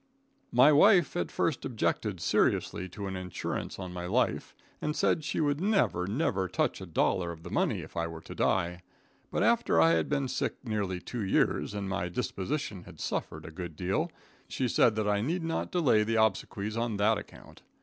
My wife at first objected seriously to an insurance on my life, and said she would never, never touch a dollar of the money if I were to die, but after I had been sick nearly two years, and my disposition had suffered a good deal, she said that I need not delay the obsequies on that account.